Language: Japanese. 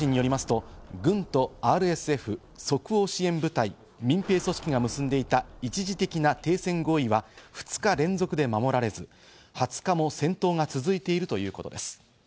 ロイター通信によりますと、軍とＲＳＦ＝即応支援部隊、民兵組織が結んでいた一時的な停戦合意は２日連続で守られず、２０日も戦闘が続いているということです。